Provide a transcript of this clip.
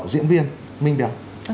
diễn viên minh béo